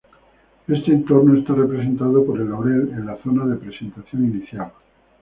Este entorno está representado por el laurel en la zona de presentación inicial.